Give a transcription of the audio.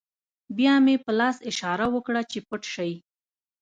بیا مې په لاس اشاره وکړه چې پټ شئ